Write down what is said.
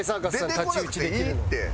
出てこなくていいって！